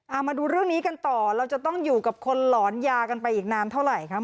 เอามาดูเรื่องนี้กันต่อเราจะต้องอยู่กับคนหลอนยากันไปอีกนานเท่าไหร่ครับ